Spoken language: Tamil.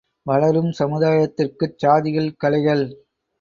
வளரும் சமுதாயத்திற்குச் சாதிகள் களைகள்.